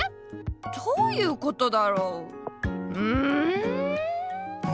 どういうことだろう？